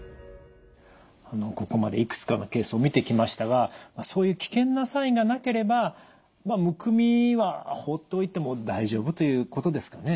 ここまでいくつかのケースを見てきましたがそういう危険なサインがなければむくみは放っておいても大丈夫ということですかね。